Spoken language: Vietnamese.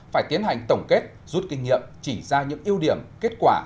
phải tiến hành tổng kết rút kinh nghiệm chỉ ra những ưu điểm kết quả